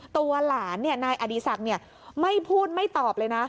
ตัวหลานนายอดีศักดิ์ไม่พูดไม่ตอบเลยนะ